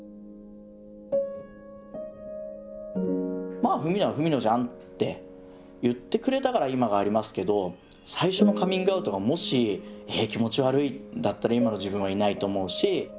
まあ文野は文野じゃんって言ってくれたから今がありますけど最初のカミングアウトがもしえ気持ち悪いだったら今の自分はいないと思うし。